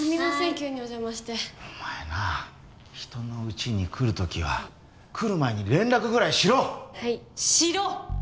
急にお邪魔してお前なあ人のうちに来るときは来る前に連絡ぐらいしろッはいしろ！